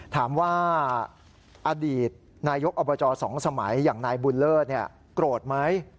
ถามว่าอดีตนายกอบจสองสมัยอย่างนายบูลเลอร์เนี่ยโกรธไหม